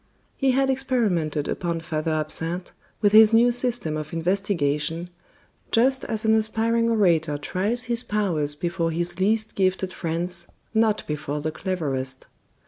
He had experimented upon Father Absinthe with his new system of investigation, just as an aspiring orator tries his powers before his least gifted friends, not before the cleverest.